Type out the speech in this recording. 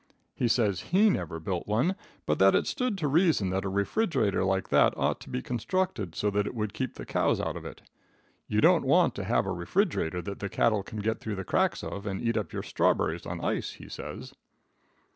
He says he never built one, but that it stood to reason that a refrigerator like that ought to be constructed so that it would keep the cows out of it. You don't want to have a refrigerator that the cattle can get through the cracks of and eat up your strawberries on ice, he says.